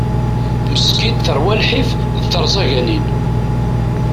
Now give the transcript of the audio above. Meskint terwa lḥif d terẓaganin.